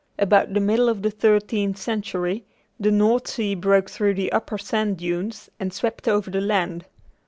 About the middle of the thirteenth century, the North Sea broke through the upper sand dunes and swept over the land.